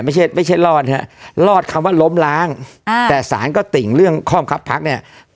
ไม่ใช่ไม่ใช่รอดฮะรอดคำว่าล้มล้างอ่าแต่สารก็ติ่งเรื่องข้อบังคับพักเนี่ย